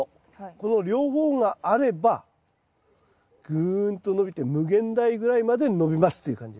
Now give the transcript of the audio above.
この両方があればぐんと伸びて無限大ぐらいまで伸びますっていう感じですね。